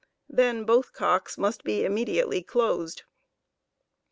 Then both cocks must be imme diately dosed.